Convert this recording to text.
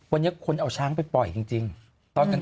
วันนี้คนเอาช้างไปปล่อยจริง